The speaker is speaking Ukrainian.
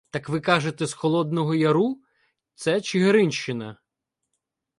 Так ви кажете — з Холодного Яру? Це Чигиринщина.